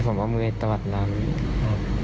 ผมเอามือไว้ตลอดน้ำ